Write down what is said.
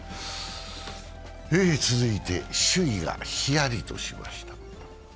続いて首位がヒヤリとしました。